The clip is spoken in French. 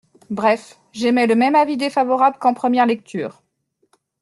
Bref, j’émets le même avis défavorable qu’en première lecture.